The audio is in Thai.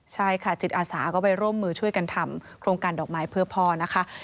ใช่ค่ะจิตอาสาก็ไปร่วมมือช่วยกันทำโครงการดอกไม้เพื่อพ่อนะคะ